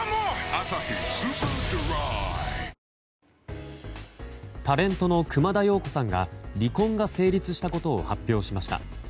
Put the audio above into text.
「アサヒスーパードライ」タレントの熊田曜子さんが離婚が成立したことを発表しました。